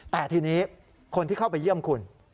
แต่ทีนี้คนที่เข้าไปเยี่ยมคุณ